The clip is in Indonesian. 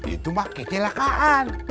itu mah kecelakaan